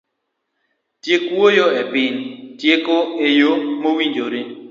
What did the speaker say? Tiek wuoyo e piny, tiek eyo mowinjore.